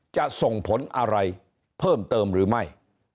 จะส่งผลอะไรเพิ่มเติมหรือไม่